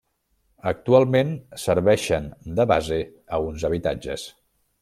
Actualment serveixen de base a uns habitatges.